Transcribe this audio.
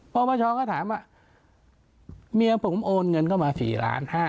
ปปชก็ถามว่าเมียผมโอนเงินเข้ามา๔๕๐๐